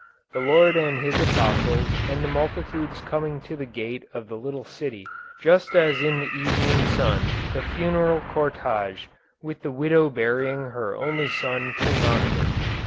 The Lord and His Apostles and the multitudes coming to the gate of the little city just as in the evening sun the funeral cortège with the widow burying her only son came out of it.